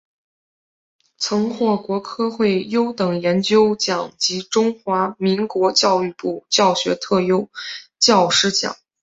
曾获国科会优等研究奖及中华民国教育部教学特优教师奖。